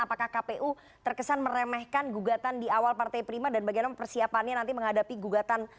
apakah kpu terkesan meremehkan gugatan di awal partai prima dan bagaimana persiapannya nanti menghadapi gugatan